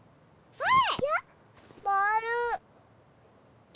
それ！